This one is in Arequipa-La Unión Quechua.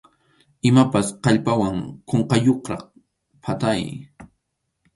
Imapas kallpawan kunkayuqraq phatay.